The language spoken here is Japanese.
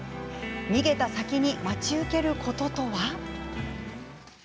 逃げた先に待ち受けることとは。